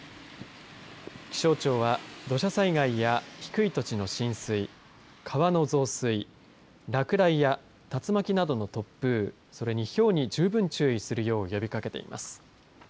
気象庁は土砂災害や低い土地の浸水川の増水落雷や竜巻などの突風それに、ひょうに十分注意するよう呼びかけています。